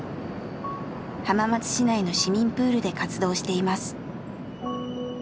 浜松市内の市民プールで活動しています。